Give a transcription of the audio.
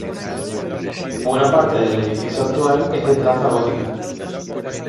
Buena parte del edificio actual es de traza gótica.